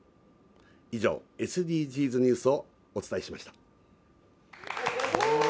以上、ＳＤＧｓニュースをお伝えしました。